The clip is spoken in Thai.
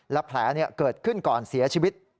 และแผลเกิดขึ้นก่อนเสียชีวิต